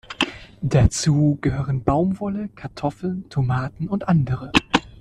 Dazu gehören Baumwolle, Kartoffeln, Tomaten und andere.